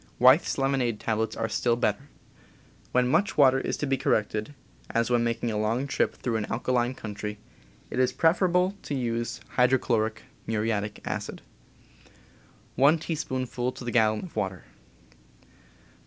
Wyeth's lemonade tablets are still better. When much water is to be corrected, as when making a long trip through an alkaline country, it is preferable to use hydrochloric (muriatic) acid, one teaspoonful to the gallon of water.